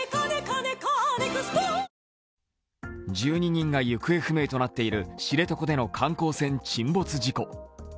１２人が行方不明となっている知床での観光船沈没事故。